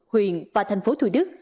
huyện và thành phố thủ đức